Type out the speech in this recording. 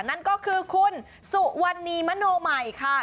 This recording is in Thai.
นั่นก็คือคุณสุวรรณีมโนใหม่ค่ะ